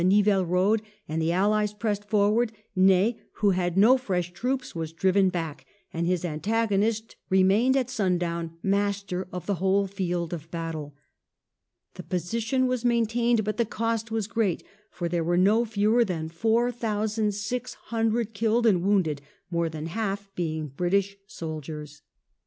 Nivelles road and the Allies pressed forward, Ney, who had no fresh troops, was driven back, and his antagonist remained at sundown master of the whole field of battle. The position was main tained, but the cost was great, for there were no fewer than four thousand six hundred killed and wounded, more than half being British soldiers.